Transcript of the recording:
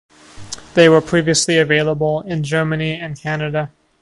They were previously available in Germany and Canada.